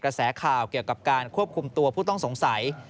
กระแสข่าวเกี่ยวกับการควบคุมตัวผู้ต้องสงสัย